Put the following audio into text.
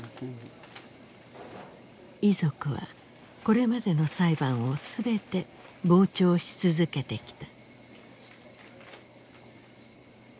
遺族はこれまでの裁判を全て傍聴し続けてきた。